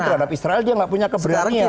terhadap israel dia nggak punya keberanian